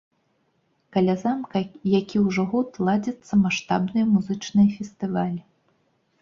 Каля замка які ўжо год ладзяцца маштабныя музычныя фестывалі.